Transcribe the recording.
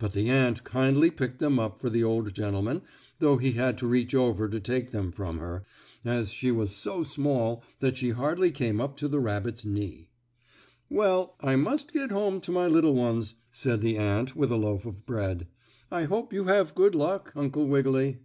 But the ant kindly picked them up for the old gentleman though he had to reach over to take them from her, as she was so small that she hardly came up to the rabbit's knee. "Well, I must get home to my little ones," said the ant with a loaf of bread. "I hope you have good luck, Uncle Wiggily."